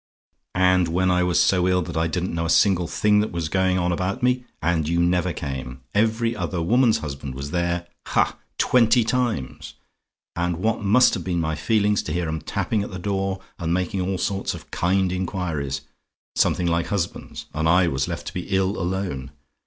And when I was so ill, that I didn't know a single thing that was going on about me, and you never came. Every other woman's husband was there ha! twenty times. And what must have been my feelings to hear 'em tapping at the door, and making all sorts of kind inquiries something like husbands and I was left to be ill alone?